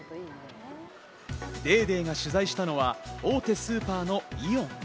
『ＤａｙＤａｙ．』が取材したのは大手スーパーのイオン。